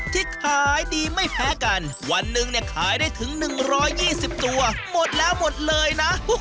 ที่ขายดีไม่แพ้กันวันหนึ่งเนี่ยขายได้ถึง๑๒๐ตัวหมดแล้วหมดเลยนะ